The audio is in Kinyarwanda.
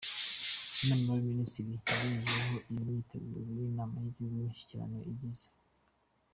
Inama y’Abaminisitiri yagejejweho aho imyiteguro y’Inama y’Igihugu y’Umushyikirano igeze.